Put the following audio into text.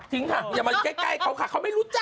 ค่ะอย่ามาใกล้เขาค่ะเขาไม่รู้จัก